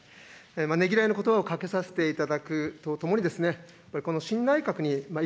ねぎらいのことばをかけさせていただくとともに、この新内閣に一